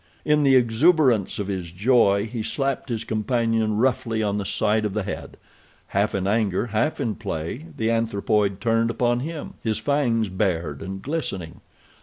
In the exuberance of his joy he slapped his companion roughly on the side of the head. Half in anger, half in play the anthropoid turned upon him, his fangs bared and glistening.